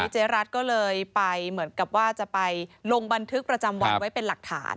เจ๊รัฐก็เลยไปเหมือนกับว่าจะไปลงบันทึกประจำวันไว้เป็นหลักฐาน